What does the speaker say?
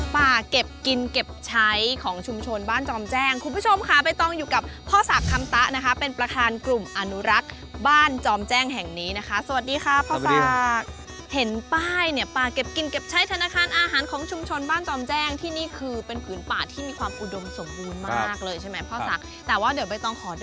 ป่าเก็บกินเก็บใช้ของชุมชนบ้านจอมแจ้งคุณผู้ชมค่ะใบตองอยู่กับพ่อศักดิ์คำตะนะคะเป็นประธานกลุ่มอนุรักษ์บ้านจอมแจ้งแห่งนี้นะคะสวัสดีค่ะพ่อฝากเห็นป้ายเนี่ยป่าเก็บกินเก็บใช้ธนาคารอาหารของชุมชนบ้านจอมแจ้งที่นี่คือเป็นผืนป่าที่มีความอุดมสมบูรณ์มากเลยใช่ไหมพ่อศักดิ์แต่ว่าเดี๋ยวใบตองขอดู